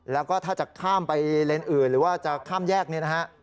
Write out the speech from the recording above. แล้วก็ถ้าจะข้ามไปเลนส์อื่นหรือว่าจะข้ามแยกเนี่ยนะฮะ